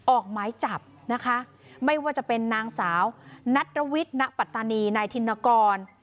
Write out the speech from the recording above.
ออกหมายจับนะคะไม่ว่าจะเป็นนางสาวนัตรวิทณปัตตานีนายธินกร